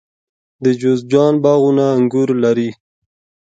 د جوزجان باغونه انګور لري.